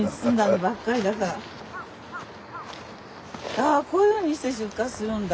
ああこういうふうにして出荷するんだ。